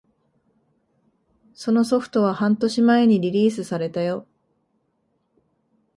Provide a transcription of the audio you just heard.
そのソフトは半年前にリリースされたよ